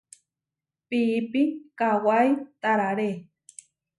Piípi kawái tararé.